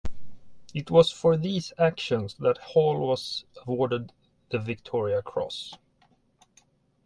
It was for these actions that Hall was awarded the Victoria Cross.